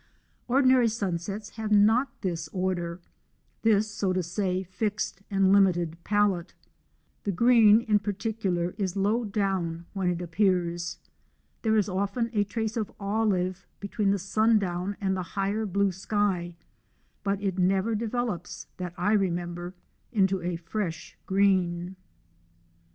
Ordinary sunsets have not this order ; this, so to say, fixe'd and limited palette. The green in particular, is low down when it appears. There is often a trace of olive between the sundown and the higher blue sk\', but it never develops, that I remember, into a fresh green.